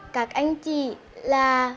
các anh chị là